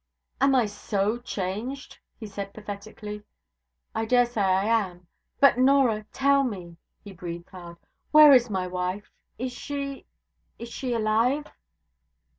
'Am I so changed?' he said pathetically. 'I dare say I am. But, Norah, tell me!' he breathed hard, 'where is my wife? Is she is she alive?'